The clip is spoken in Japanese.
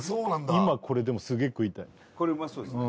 今これでもすげえ食いたいこれうまそうですね